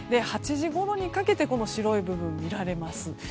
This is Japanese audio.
８時ごろにかけてこの白い部分が見られます。